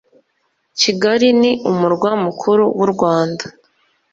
kigali ni umurwa mukuru wurwanda